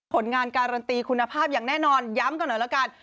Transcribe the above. ผลงานการันตีคุณภาพอย่างแน่นอนย้ำกันหน่อยละกัน